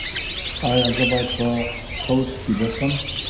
ایا زه باید په کوچ ویده شم؟